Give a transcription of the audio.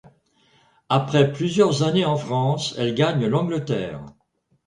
Après plusieurs années en France, elle gagne l’Angleterre.